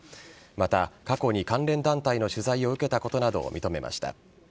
また、過去に関連団体の取材を受けたことなどを認めました。